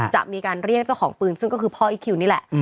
จะมีการเรียกเจ้าของปืนซึ่งก็คือพ่ออีคคิวนี่แหละ